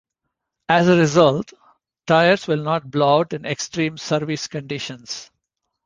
As a result, tires will not blow out in extreme service conditions.